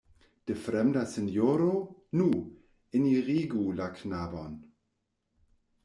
De fremda sinjoro? Nu, enirigu la knabon.